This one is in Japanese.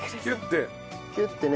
キュッてね。